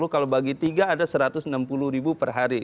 kalau bagi tiga ada satu ratus enam puluh ribu per hari